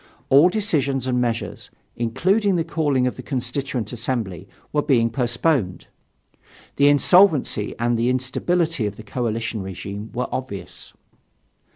All decisions and measures, including the calling of the Constituent Assembly, were being postponed. The insolvency and the instability of the coalition regime were obvious.